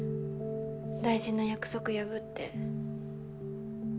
大事な約束破って。